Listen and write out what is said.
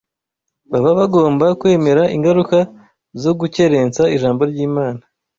baba bagomba kwemera ingaruka zo gukerensa Ijambo ry’Imana.